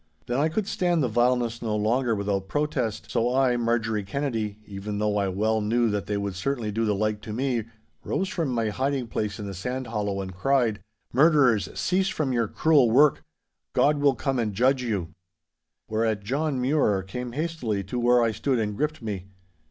'Then I could stand the vileness no longer without protest. So I, Marjorie Kennedy, even though I well knew that they would certainly do the like to me, rose from my hiding place in the sand hollow, and cried, "Murderers, cease from your cruel work. God will come and judge you!" 'Whereat John Mure came hastily to where I stood and gripped me.